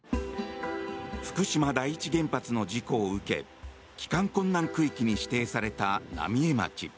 福島第一原発の事故を受け帰還困難区域に指定された浪江町。